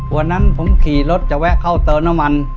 วันนั้นผมขี่รถจะแวะเข้าเติมน้ำมัน